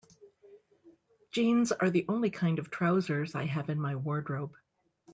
Jeans are the only kind of trousers I have in my wardrobe.